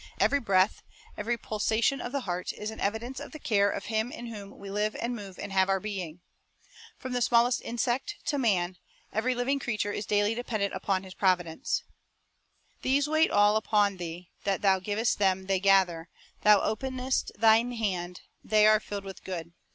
Every breath, every pulsation of the heart, is an evidence of the care of Him in whom we live and move and have our being. From the smallest insect to man, every living creature is daily dependent upon His providence. "These wait all upon Thee. ... That Thou givest them they gather; Thou openest Thine hand, they are filled with good.